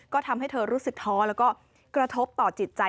ก็ทำให้เธอรู้สึกท้อแล้วก็กระทบต่อจิตใจ